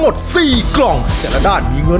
หัวหนึ่งหัวหนึ่ง